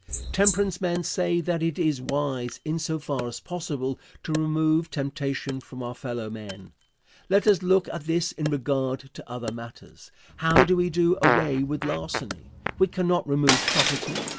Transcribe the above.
Temperance men say that it is wise, in so far as possible, to remove temptation from our fellow men. Let us look at this in regard to other matters. How do we do away with larceny? We cannot remove property.